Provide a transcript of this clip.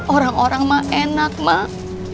orang orang mah enak mak